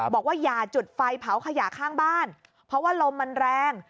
บอกว่าอย่าจุดไฟเผาขยะข้างบ้านเพราะว่าลมมันแรง